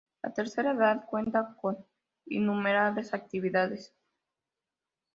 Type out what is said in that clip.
La tercera edad cuenta con innumerables actividades.